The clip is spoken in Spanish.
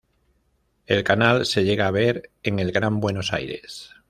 El canal se llega a ver en el Gran Buenos Aires.